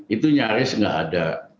itu nyaris nggak ada